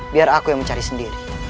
biar aku yang mencari sendiri